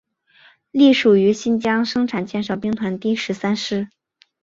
隶属于新疆生产建设兵团第十三师。